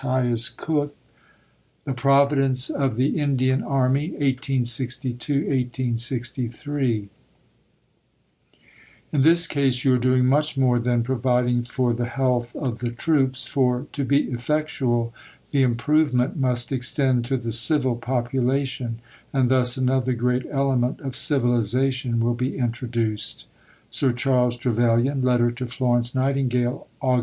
CHAPTER II THE PROVIDENCE OF THE INDIAN ARMY (1862, 1863) In this case you are doing much more than providing for the health of the Troops; for, to be effectual, the improvement must extend to the civil population, and thus another great element of Civilization will be introduced. SIR CHARLES TREVELYAN (Letter to Florence Nightingale, Aug.